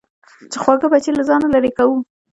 چې خواږه بچي له ځانه لېرې کوو.